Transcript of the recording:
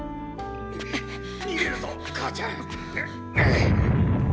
逃げるぞ母ちゃん！